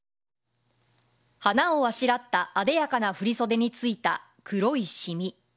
花をあしらったあでやかな振り袖についた黒い染み。